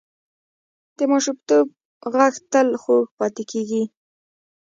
د ماشومتوب غږ تل خوږ پاتې کېږي